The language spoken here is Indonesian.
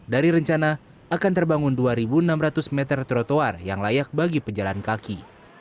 dari rencana akan terbangun dua enam ratus meter trotoar yang layak bagi pejalan kaki